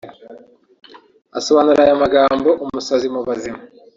Asobanura aya magambo “Umusazi mu Bazima